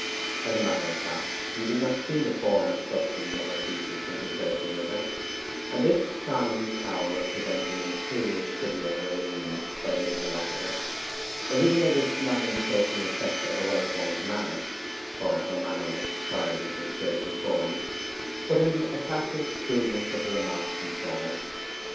As a matter of fact, you did not see the form and substance of her features when conversing with her; and this charming power of preventing a material study of her lineaments by an interlocutor, originated not in the cloaking effect of a well formed manner (for her manner was childish and scarcely formed), but in the attractive crudeness of the remarks themselves.